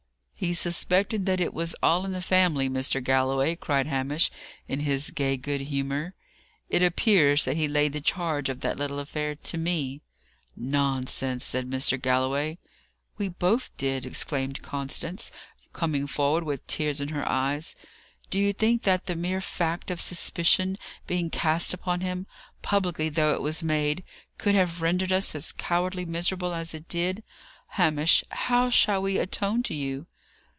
"He suspected that it was all in the family, Mr. Galloway," cried Hamish, in his gay good humour. "It appears that he laid the charge of that little affair to me." "Nonsense!" said Mr. Galloway. "We both did," exclaimed Constance, coming forward with tears in her eyes. "Do you think that the mere fact of suspicion being cast upon him, publicly though it was made, could have rendered us as cowardly miserable as it did? Hamish, how shall we atone to you?"